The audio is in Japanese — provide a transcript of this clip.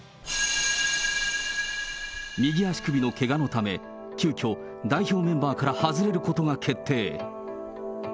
右足首のけがのため、急きょ、代表メンバーから外れることが決定。